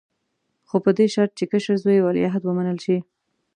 خو په دې شرط چې کشر زوی یې ولیعهد ومنل شي.